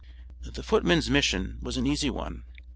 The footman's mission was an easy one.